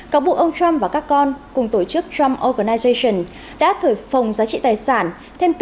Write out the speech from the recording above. cáo buộc ông trump và các con cùng tổ chức trump organization đã thổi phồng giá trị tài sản thêm từ một mươi bảy ba mươi năm